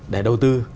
để đầu tư